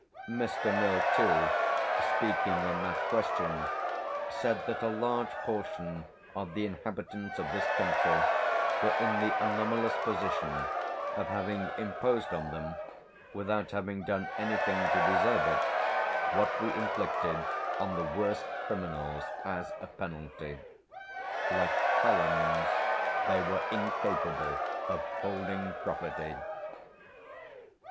Mr. Mill, too, speaking on that question, said that a large portion of the inhabitants of this country were in the anomalous position of having imposed on them, without having done anything to deserve it, what we inflicted on the worst criminals as a penalty: like felons, they were incapable of holding property."